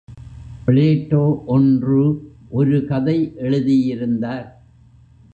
Plato ஒன்று ஒரு கதை எழுதியிருந்தார்.